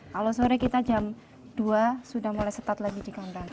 kalau sore kita jam dua sudah mulai setat lagi di kandang